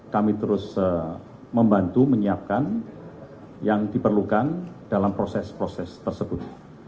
kami terus membantu menyiapkan yang diperlukan dalam proses proses tersebut